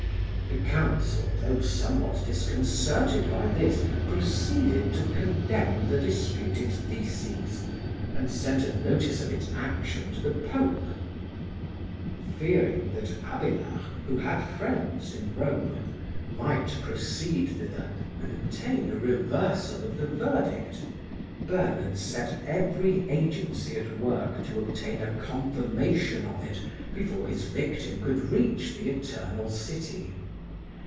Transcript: The council, though somewhat disconcerted by this, proceeded to condemn the disputed theses, and sent a notice of its action to the Pope. Fearing that Abélard, who had friends in Rome, might proceed thither and obtain a reversal of the verdict, Bernard set every agency at work to obtain a confirmation of it before his victim could reach the Eternal City.